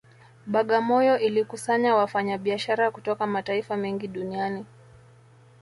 Bagamoyo ilikusanya wafanyabiashara kutoka mataifa mengi duniani